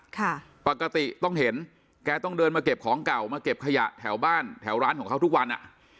ค่ะปกติต้องเห็นแกต้องเดินมาเก็บของเก่ามาเก็บขยะแถวบ้านแถวร้านของเขาทุกวันอ่ะ